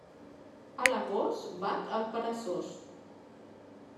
A l'agost bat el peresós.